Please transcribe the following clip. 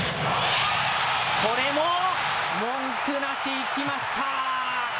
これも文句なし、いきました。